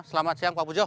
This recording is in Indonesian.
selamat siang pak bujo